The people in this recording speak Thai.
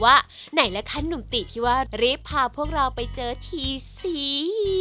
ว่าไหนล่ะคะหนุ่มติที่ว่ารีบพาพวกเราไปเจอทีสี